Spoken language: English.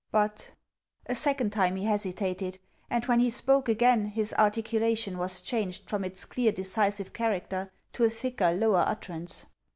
But ' A second time he hesitated; and, when he spoke again, his articulation was changed from its clear decisive character to a thicker lower utterance.